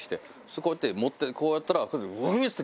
こうやって持ってこうやったらぐいーって。